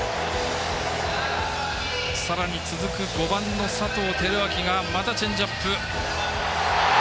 さらに続く５番の佐藤輝明がまたチェンジアップ。